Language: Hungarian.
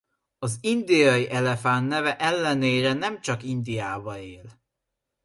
Az indiai elefánt neve ellenére nemcsak Indiában él.